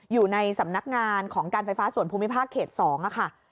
อยู่ในสำนักงานของการไฟฟ้าส่วนภูมิภาคเขต๒ค่ะ